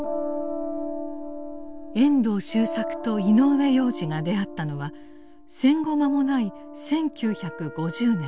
遠藤周作と井上洋治が出会ったのは戦後間もない１９５０年。